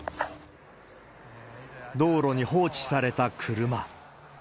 道路に放置された車。